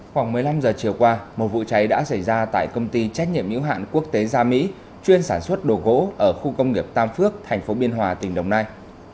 khoảng một mươi năm giờ chiều qua một vụ cháy đã xảy ra tại công ty trách nhiệm hữu hạn quốc tế gia mỹ chuyên sản xuất đồ gỗ ở khu công nghiệp tam phước thành phố biên hòa tỉnh đồng nai